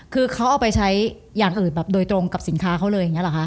คือเขาเอาไปใช้อย่างอื่นแบบโดยตรงกับสินค้าเขาเลยอย่างนี้หรอคะ